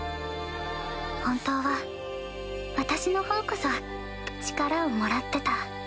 本当は私のほうこそ力をもらってた。